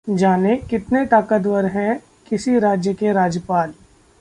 जानें- कितने ताकतवर होते हैं किसी राज्य के राज्यपाल?